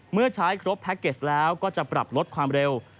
เมื่อใช้ครบแพ็คเกจแล้วก็จะปรับลดความเร็ว